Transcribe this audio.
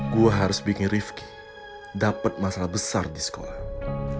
gua harus bikin rifqi dapat masalah besar di sekolah